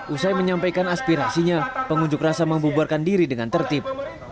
usai menyampaikan aspirasinya pengunjuk rasa membuarkan diri dengan tertib